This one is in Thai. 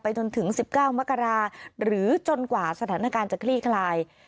จนถึง๑๙มกราหรือจนกว่าสถานการณ์จะคลี่คลาย